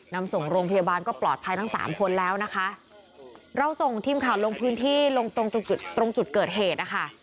นำส่งโรงพยาบาลก็ปลอดภัยทั้งสามคนแล้วนะคะเราส่งทีมข่าวลงพื้นที่ลงตรงจุดตรงจุดเกิดเหตุนะคะ